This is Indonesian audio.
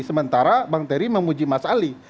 sementara bang terry memuji mas ali